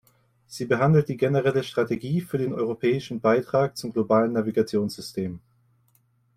Sie behandelt die generelle Strategie für den europäischen Beitrag zum globalen Navigationssystem.